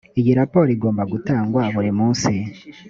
iyo raporo igomba gutangwa buri munsi